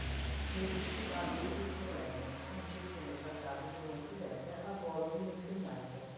Le "disputatio" più solenni sanciscono il passaggio di uno studente al ruolo di insegnante.